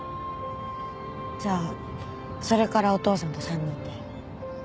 じゃあそれからお父さんと３人で？